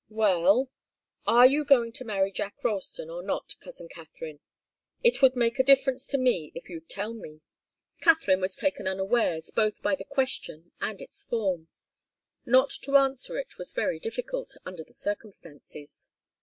"Well are you going to marry Jack Ralston or not, cousin Katharine? It would make a difference to me if you'd tell me." Katharine was taken unawares, both by the question and its form. Not to answer it was very difficult, under the circumstances.